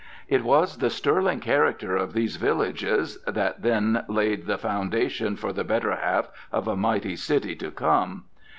It was the sterling character of these villagers that then laid the foundation for the better half of a mighty city to come.